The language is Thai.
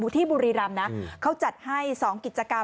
ที่บุรีรำนะเขาจัดให้๒กิจกรรม